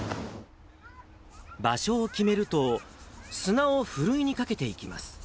場所を決めると、砂をふるいにかけていきます。